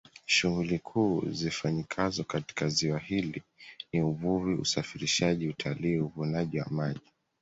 Shughuli kuu zifanyikazo katika ziwa hili ni Uvuvi Usafirishaji Utalii Uvunaji wa maji